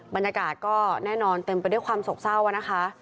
บรรยากาศก็แน่นอนเต็มไปด้วยความโศกเศร้านะคะ